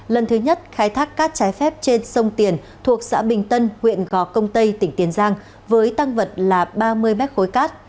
lần thứ nhất khai thác cát trái phép trên sông tiền thuộc xã bình tân huyện gò công tây tỉnh tiền giang với tăng vật là ba mươi mét khối cát